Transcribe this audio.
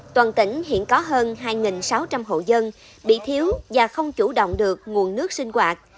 toàn tỉnh hiện có hơn hai sáu trăm linh hộ dân bị thiếu và không chủ động được nguồn nước sinh hoạt